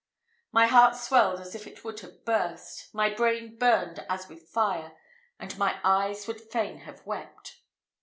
My heart swelled as if it would have burst, my brain burned as with fire, and my eyes would fain have wept.